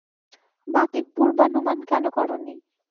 বাঁকের পূর্বানুমান কেন করোনি?